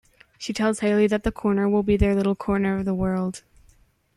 She tells Haley that the corner will be their little corner of the world.